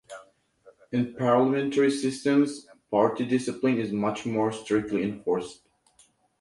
In parliamentary systems, party discipline is much more strictly enforced.